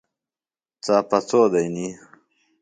ڇاپڇو دئنی۔